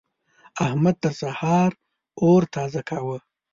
احمد تر سهار اور تازه کاوو.